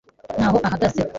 n'aho ahagaze